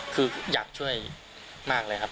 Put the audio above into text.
คืออยากช่วยมากเลยครับ